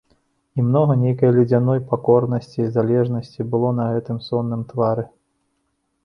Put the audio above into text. І многа нейкай ледзяной пакорнасці, залежнасці было на гэтым сонным твары.